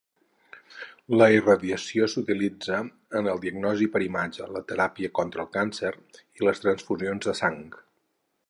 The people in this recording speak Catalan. La irradiació s'utilitza en la diagnosi per imatges, la teràpia contra el càncer i les transfusions de sang.